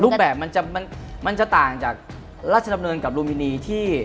รูปแบบมันจะต่างจากราชดำเนินกับลูมินีที่